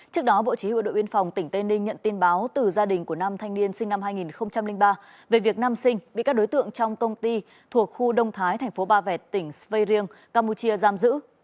trước đó bộ chỉ huy đội biên phòng tỉnh tây ninh nhận tin báo từ gia đình của năm thanh niên sinh năm hai nghìn ba về việc nam sinh bị các đối tượng trong công ty thuộc khu đông thái thành phố ba vẹt tỉnh sveirien campuchia giam giữ